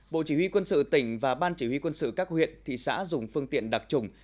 bộ chỉ huy quân sự tỉnh và ban chỉ huy quân sự các huyện thị xã dùng phương tiện đặc trùng